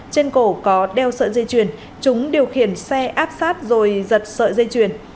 trên cổ có đeo sợi dây chuyền chúng điều khiển xe áp sát rồi giật sợi dây chuyền